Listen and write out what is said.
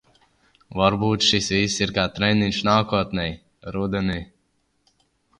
Varbūt šis viss ir kā treniņš nākotnei? Rudenī.